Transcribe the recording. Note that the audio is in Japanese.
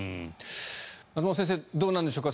松本先生どうなんでしょうか。